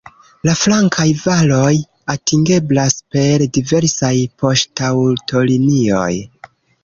La flankaj valoj atingeblas per diversaj poŝtaŭtolinioj.